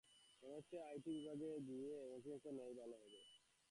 মনে হচ্ছে আইটি বিভাগে গিয়ে নতুন একটা নেয়াই ভালো হবে।